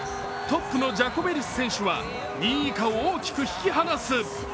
トップのジャコベリス選手は２位以下を大きく引き離す。